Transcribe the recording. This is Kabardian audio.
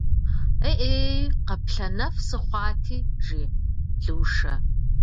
Е-ӏей, къаплъэнэф сыхъуати!- жи Лушэ.